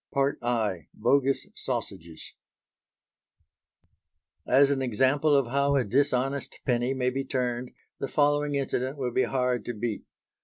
I. BOGUS SAUSAGES As an example of how a dishonest penny may be turned the following incident would be hard to beat.